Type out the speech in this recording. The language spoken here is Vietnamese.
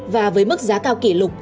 và với mức giá cao kỷ lục